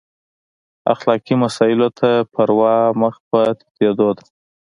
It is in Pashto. اخلاقي مسایلو ته پروا مخ په تتېدو ده.